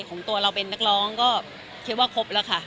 ของตัวเราเป็นนักร้องก็คิดว่าครบแล้วค่ะ